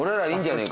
ねえ？